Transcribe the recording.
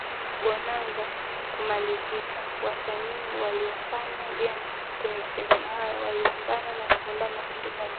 Bonanza kumalizika wasanii waliofanya vyema kwenye mashindano hayo waliungana na kuunda makundi mbalimbali likiwemo